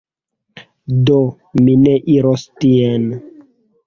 Do, mi ne iros tien